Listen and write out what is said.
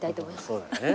そうだね。